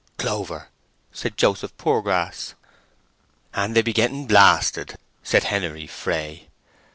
"—Clover!" said Joseph Poorgrass. "And they be getting blasted," said Henery Fray.